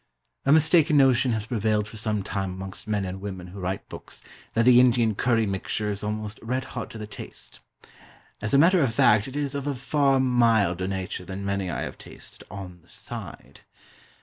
A mistaken notion has prevailed for some time amongst men and women who write books, that the Indian curry mixture is almost red hot to the taste. As a matter of fact it is of a far milder nature than many I have tasted "on this side."